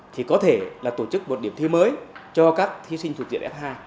thì có thể là tổ chức một điểm thi mới cho các thí sinh thuộc diện f hai